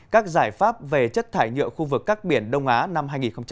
các giải pháp về chất thải nhựa khu vực các biển đông á năm hai nghìn hai mươi